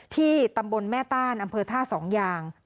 ที่ตำบลแม่ต้านอำเภอท่าสองยาง